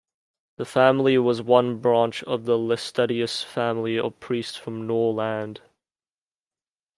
The family was one branch of the Laestadius family of priests from Norrland.